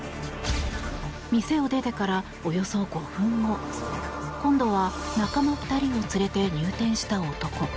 店を出てからおよそ５分後今度は仲間２人を連れて入店した男。